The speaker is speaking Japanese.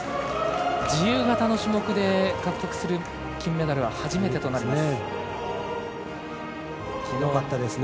自由形の種目で獲得する金メダルは初めてとなります。